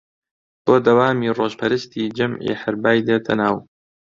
بۆ دەوامی ڕۆژپەرستی جەمعی حەربای دێتە ناو